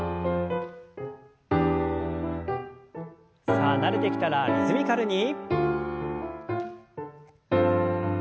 さあ慣れてきたらリズミカルに。